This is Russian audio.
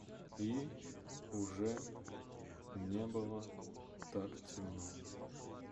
И уже не было так темно.